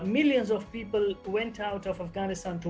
bukan karena keamanan